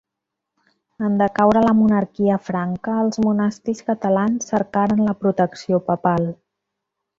En decaure la monarquia franca, els monestirs catalans cercaren la protecció papal.